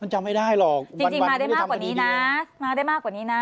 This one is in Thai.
จำไม่ได้หรอกจริงจริงมาได้มากกว่านี้นะมาได้มากกว่านี้นะ